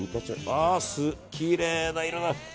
きれいな色！